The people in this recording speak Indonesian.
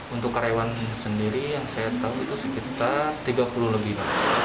untuk karyawannya sendiri yang saya tahu itu sekitar tiga puluh lebih pak